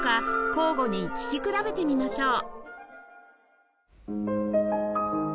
交互に聴き比べてみましょう